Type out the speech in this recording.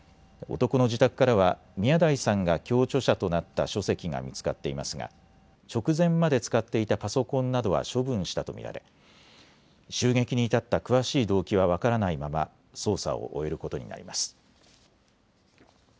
男の自宅からは宮台さんが共著者となった書籍が見つかっていますが直前まで使っていたパソコンなどは処分したと見られ、襲撃に至った詳しい動機は分からないまま捜査を終えることになります。